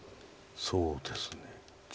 そうですね。